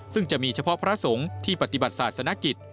ซึ่งจะมีเฉพาะพระสงฆ์ที่ปฏิบัติศาสนกิจ